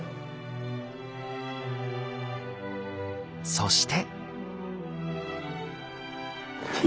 そして。